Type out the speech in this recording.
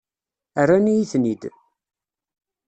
Rran-iyi-ten-id.